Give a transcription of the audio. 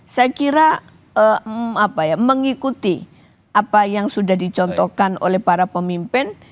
saya kira mengikuti apa yang sudah dicontohkan oleh para pemimpin